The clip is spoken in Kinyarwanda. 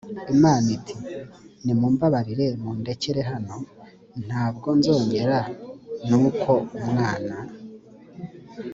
imana iti nimumbabarire mundekere hano ntabwo nzongera nuko umwana